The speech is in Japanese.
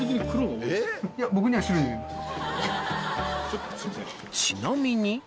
ちなみに。